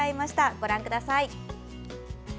ご覧ください。